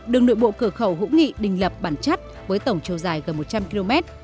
đường nội bộ cửa khẩu hữu nghị đình lập bản chất với tổng chiều dài gần một trăm linh km